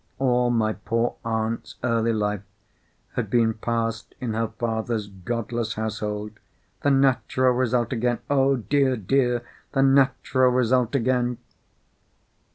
All my poor aunt's early life had been passed in her father's godless household. The natural result again! Oh, dear, dear, the natural result again!